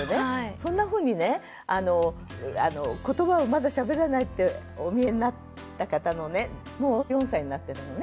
そんなふうにねことばをまだしゃべらないっておみえになった方のねもう４歳になってたのね。